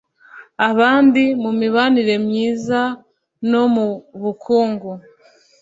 abandi mu mibanire myiza no mu bukungu